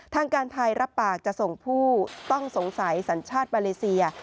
ทางการไทยรับปากจะส่งผู้ต้องสงสัยสัญชาติมาเลเซีย